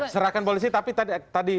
serahkan polisi tapi tadi